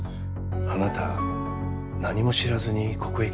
あなた何も知らずにここへ来たんですか？